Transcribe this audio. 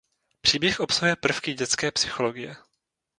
Příběh obsahuje prvky dětské psychologie.